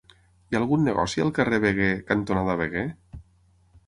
Hi ha algun negoci al carrer Veguer cantonada Veguer?